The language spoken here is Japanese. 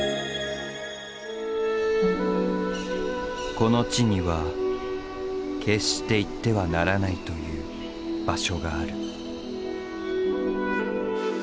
この地には決して行ってはならないという場所がある。